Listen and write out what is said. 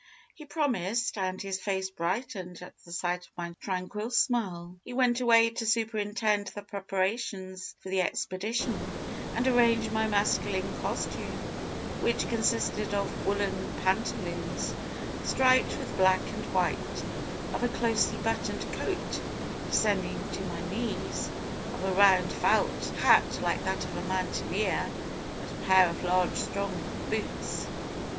He promised, and his face brightened at the sight of my tranquil smile. He went away to superintend the preparations for the expedition, and arrange my masculine costume, which consisted of woollen pantaloons striped with black and white, of a closely buttoned coat descending to my knees, of a round felt hat like that of a mountaineer, and a pair of large strong boots.